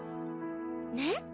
ねっ。